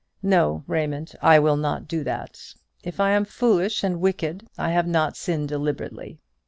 No, Raymond, I will not do that. If I am foolish and wicked, I have not sinned deliberately.